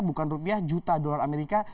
bukan rupiah juta dolar amerika